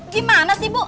gimana sih bu